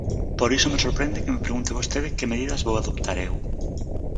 Por iso me sorprende que me pregunte vostede que medidas vou adoptar eu.